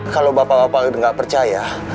kalau bapak bapak nggak percaya